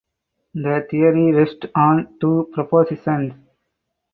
The theory rests on two propositions.